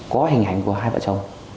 có hình ảnh của hai vợ chồng